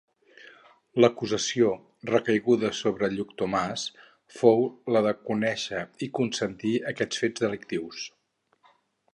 L'acusació recaiguda sobre Lluc Tomàs fou la de conèixer i consentir aquests fets delictius.